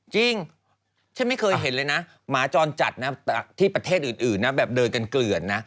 จริงฉันไม่เคยเห็นเลยนะหมาจรจัดนะที่ประเทศอื่นนะแบบเดินกันเกลือนนะ